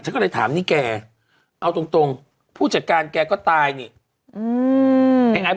ฉันก็เลยถามนี่แกเอาตรงผู้จัดการแกก็ตายเนี่ย